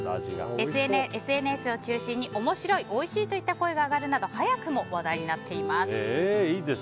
ＳＮＳを中心に面白いおいしいといった声が上がるなど早くも話題になっています。